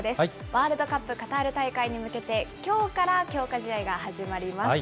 ワールドカップ、カタール大会に向けて、きょうから強化試合が始まります。